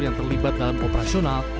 yang terlibat dalam operasional